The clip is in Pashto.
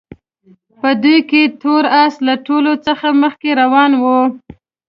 په دوی کې تور اس له ټولو څخه مخکې روان وو.